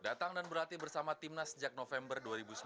datang dan berlatih bersama timnas sejak november dua ribu sembilan belas